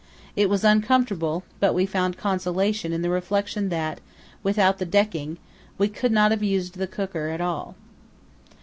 It was uncomfortable, but we found consolation in the reflection that without the decking we could not have used the cooker at all.